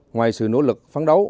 ngoài sự nỗ lực phán đấu